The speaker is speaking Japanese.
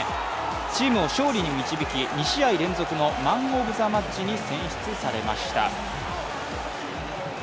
チームを勝利に導き、２試合連続のマンオブザマッチに選出されました。